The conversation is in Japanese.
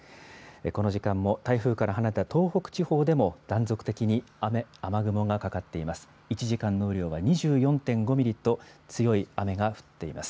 この時間も台風から離れた東北地方でも、断続的に雨雲がかかっています。